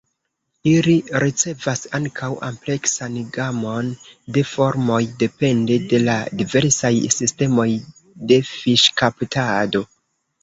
Ili ricevas ankaŭ ampleksan gamon de formoj depende de la diversaj sistemoj de fiŝkaptado.